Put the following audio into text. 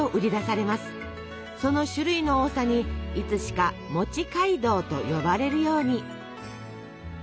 その種類の多さにいつしか「街道」と呼ばれるように。